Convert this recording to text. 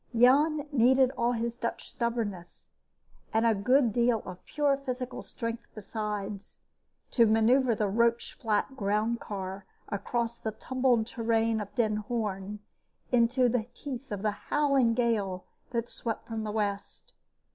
Jan needed all his Dutch stubbornness, and a good deal of pure physical strength besides, to maneuver the roach flat groundcar across the tumbled terrain of Den Hoorn into the teeth of the howling gale that swept from the west.